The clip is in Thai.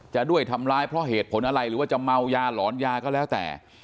จะด้วยทำร้ายเพราะเหตุผลอะไรหรือว่าจะเมายาหลอนยาก็แล้วแต่